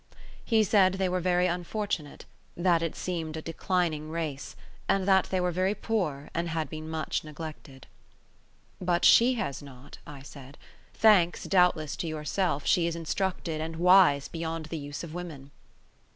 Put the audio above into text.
He said they were very unfortunate; that it seemed a declining race, and that they were very poor and had been much neglected. "But she has not," I said. "Thanks, doubtless, to yourself, she is instructed and wise beyond the use of women."